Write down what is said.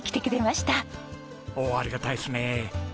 おおありがたいですね。